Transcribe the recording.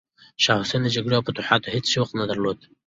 شاه حسین د جګړې او فتوحاتو هیڅ شوق نه درلود.